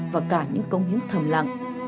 và cả những công hiến thầm lặng